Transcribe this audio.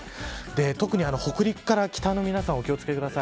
特に北陸から北の皆さんお気を付けください。